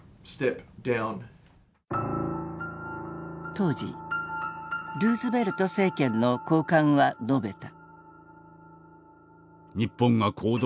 当時ルーズベルト政権の高官は述べた。